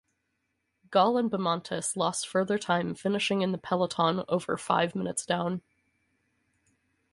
Gaul and Bahamontes lost further time, finishing in the peloton over five minutes down.